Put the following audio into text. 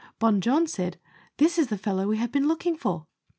Bon Jon said " This is the fellow that we have been looking for."